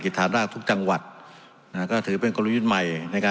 กิจฐานรากทุกจังหวัดนะฮะก็ถือเป็นกรุณยุ่นใหม่ในการ